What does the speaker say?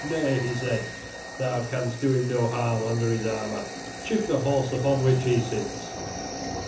Nay," he said, "thou canst do him no harm under his armor; shoot the horse upon which he sits."